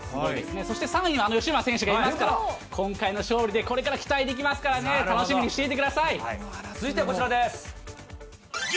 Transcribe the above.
そして３位は、あの吉村選手がいますから、今回の勝利でこれから期待できますからね、楽しみにしていてくだ続いてはこちらです。